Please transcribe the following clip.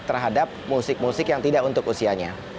terhadap musik musik yang tidak untuk usianya